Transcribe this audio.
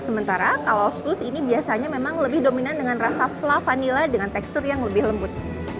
sementara kalau sus ini biasanya memang lebih dominan dengan rasa fla vanila dengan tekstur yang lebih lembut